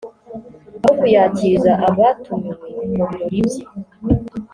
aho kuyakiriza abatumiwe mu birori bye